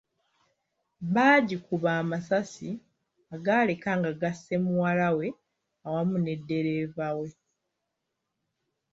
BAagikuba amasasi agaaleka nga gasse muwala we awamu ne ddereeva we.